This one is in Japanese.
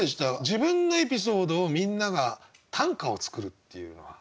自分のエピソードをみんなが短歌を作るっていうのは。